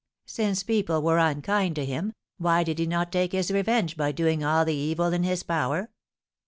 Since people were unkind to him, why did he not take his revenge by doing all the evil in his power?